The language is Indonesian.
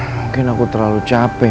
mungkin aku terlalu capek